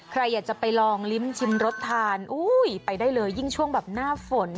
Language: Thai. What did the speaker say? ใครอยากจะไปลองลิ้มชิมรสทานอุ้ยไปได้เลยยิ่งช่วงแบบหน้าฝน